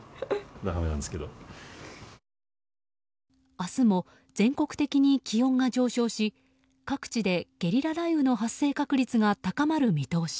明日も全国的に気温が上昇し各地でゲリラ雷雨の発生確率が高まる見通し。